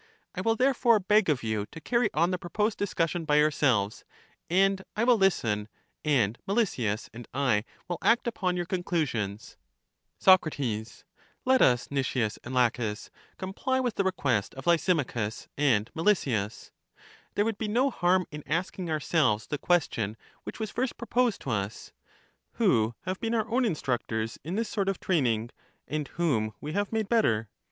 I will therefore beg of you to carry on the proposed discussion by yourselves; and I will listen, and Melesias and I will act upon your conclusions. Soc, Let us, Nicias and Laches, comply with the request of Lysimachus and Melesias. There would be no harm in asking ourselves the question which was first proposed to us: Who have been our own in structors in this soii; of training, and whom we have made better?